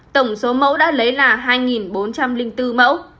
tổng số mẫu đã lấy là hai bốn trăm linh bốn mẫu